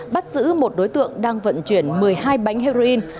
bắt giữ một đối tượng đang vận chuyển một mươi hai bánh heroin